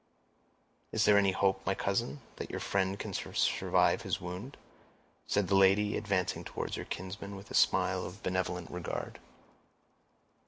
"Is there any hope, my cousin, that your friend can survive his wound?" said the lady, advancing towards her kinsman, with a smile of benevolent regard.